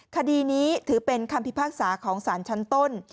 คดีนี้ถือเป็นคำพิพากษาของสารชั้นต้น